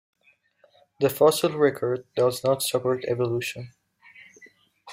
The fossil record does not support evolution.